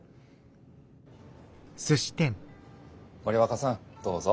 森若さんどうぞ。